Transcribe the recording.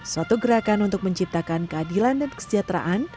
suatu gerakan untuk menciptakan keadilan dan kesejahteraan